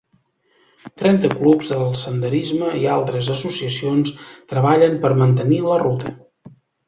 Trenta clubs del senderisme i altres associacions treballen per mantenir la ruta.